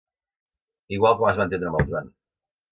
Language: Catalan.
Igual com es va entendre amb el Joan.